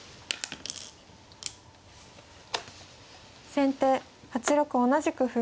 先手８六同じく歩。